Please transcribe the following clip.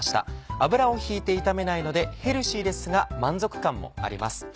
油を引いて炒めないのでヘルシーですが満足感もあります。